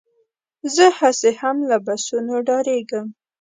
زه هسې هم له بسونو ډارېږم.